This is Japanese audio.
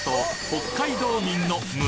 北海道民の胸